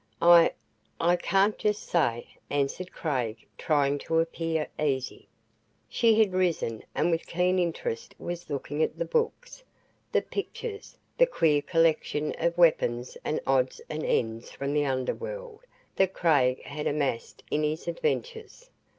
"I I can't just say," answered Craig, trying to appear easy. She had risen and with keen interest was looking at the books, the pictures, the queer collection of weapons and odds and ends from the underworld that Craig had amassed in his adventures.